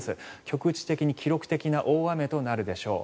局地的に記録的な大雨となるでしょう。